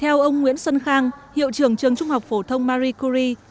theo ông nguyễn xuân khang hiệu trưởng trường trung học phổ thông marie curie